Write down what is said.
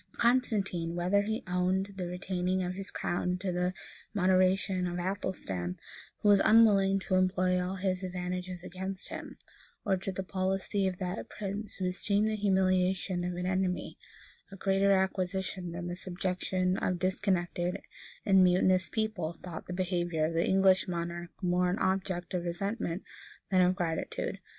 Constantine, whether he owed the retaining of his crown to the moderation of Athelstan, who was unwilling to employ all his advantages against him, or to the policy of that prince who esteemed the humiliation of an enemy a greater acquisition than the subjection of a discontented and mutinous people thought the behavior of the English monarch more an object of resentment than of gratitude.